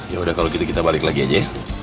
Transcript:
ya udah kalau gitu kita balik lagi aja